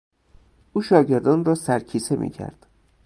او شاگردان را سرکیسه میکرد.